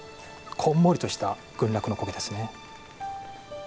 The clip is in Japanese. こんもりとした群落の苔ですね。